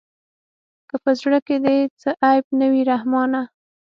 که په زړه کښې دې څه عيب نه وي رحمانه.